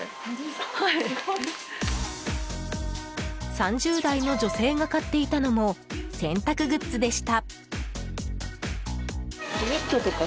３０代の女性が買っていたのも洗濯グッズでした。